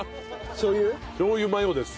しょう油マヨです。